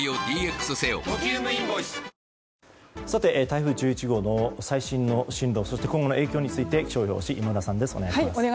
台風１１号の最新の進路そして今後の影響について気象予報士、今村さんです。